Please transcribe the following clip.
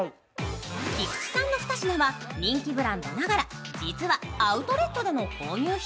菊地さんの２品は人気ブランドながら実はアウトレットでの購入品。